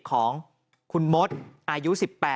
ของคุณมดอายุ๑๘